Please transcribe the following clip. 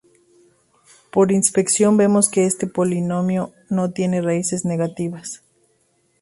Por inspección vemos que este polinomio no tiene raíces negativas.